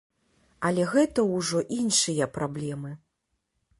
Але гэта ўжо іншыя праблемы.